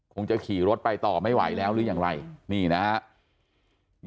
คงจะขี่รถไปต่อไม่ไหวแล้วหรือยังไรนี่นะครับ